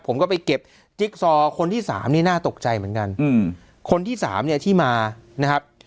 ผมก็ไปเก็บจิ๊กซอคนที่สามนี่น่าตกใจเหมือนกันอืมคนที่สามเนี่ยที่มานะครับ